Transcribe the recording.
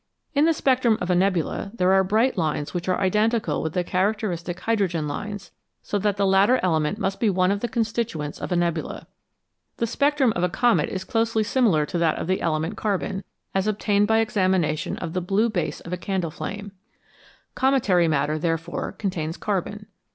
In the spectrum of a nebula there are bright lines which are identical with the characteristic hydrogen lines, so that the latter element must be one of the constituents of a nebula. The spectrum of a comet is closely similar to that of the element carbon, as obtained by examination of the blue base of a candle flame ; cometary matter, therefore, contains carbon.